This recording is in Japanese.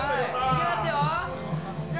いきますよ。